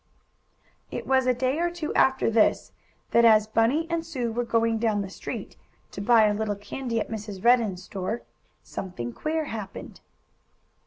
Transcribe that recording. It was a day or two after this that, as Bunny and Sue were going down the street, to buy a little candy at Mrs. Redden's store, something queer happened.